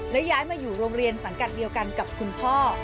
และย้ายมาอยู่โรงเรียนสังกัดเดียวกันกับคุณพ่อ